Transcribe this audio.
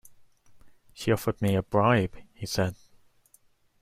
She offered me a bribe, he said.